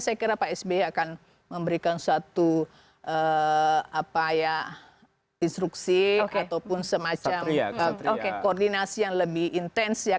saya kira pak sby akan memberikan suatu instruksi ataupun semacam koordinasi yang lebih intens ya